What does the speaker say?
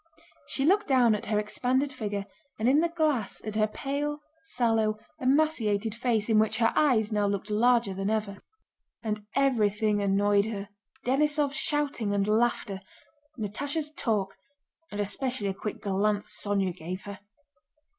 She looked down at her expanded figure and in the glass at her pale, sallow, emaciated face in which her eyes now looked larger than ever. And everything annoyed her—Denísov's shouting and laughter, Natásha's talk, and especially a quick glance Sónya gave her.